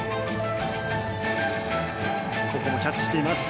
ここもキャッチしています。